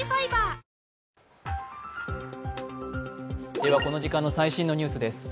では、この時間の最新のニュースです。